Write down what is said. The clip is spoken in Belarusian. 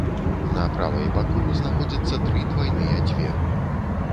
На правай баку знаходзіцца тры двайныя дзверы.